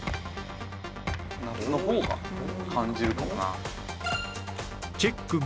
夏の方が感じるかもな。